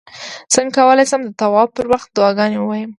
څنګه کولی شم د طواف پر وخت دعاګانې ووایم